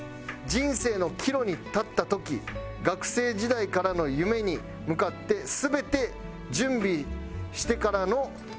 「人生の岐路に立った時学生時代からの夢に向かって全て準備してからの報告でした」